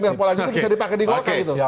dan pola itu bisa dipakai di golkar gitu